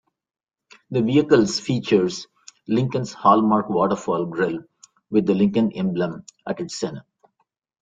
The vehicles features Lincoln's hallmark waterfall grille with the Lincoln emblem at its center.